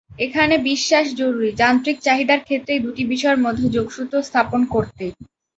এখানে বিশ্বাস জরুরী, যান্ত্রিক চাহিদার ক্ষেত্রে এই দুটি বিষয়ের মধ্যে যোগসূত্র স্থাপন করতে।